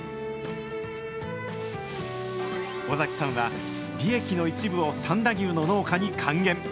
尾崎さんは、利益の一部を三田牛の農家に還元。